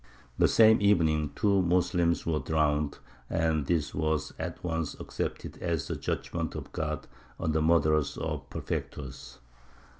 The same evening two Moslems were drowned, and this was at once accepted as the judgment of God on the murderers of Perfectus.